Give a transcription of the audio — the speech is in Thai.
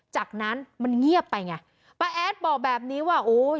จากนั้นมันเงียบไปไงป้าแอดบอกแบบนี้ว่าโอ้ย